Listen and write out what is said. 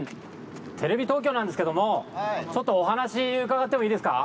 テレビ東京なんですけどもちょっとお話伺ってもいいですか？